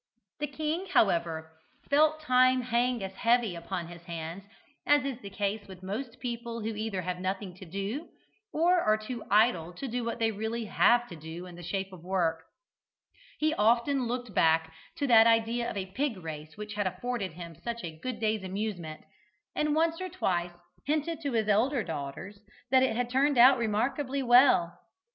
The king, however, felt time hang as heavy upon his hands as is the case with most people who either have nothing to do, or are too idle to do what they really have to do in the shape of work. He often looked back to that idea of a pig race which had afforded him such a good day's amusement, and once or twice hinted to his two elder daughters that it had turned out remarkably well.